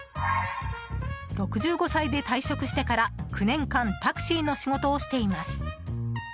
６５歳で退職してから、９年間タクシーの仕事をしています。